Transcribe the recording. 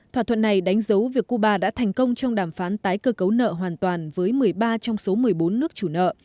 thỏa thuận này đánh dấu việc cuba đã thành công trong đàm phán tái cơ cấu nợ hoàn toàn với một mươi ba trong số một mươi bốn nước chủ nợ